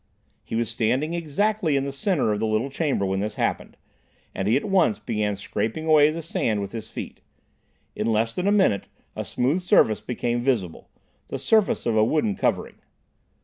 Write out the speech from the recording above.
He was standing exactly in the centre of the little chamber when this happened, and he at once began scraping away the sand with his feet. In less than a minute a smooth surface became visible—the surface of a wooden covering.